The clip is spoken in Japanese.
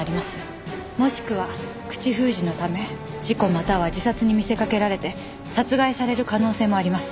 もしくは口封じのため事故または自殺に見せかけられて殺害される可能性もあります。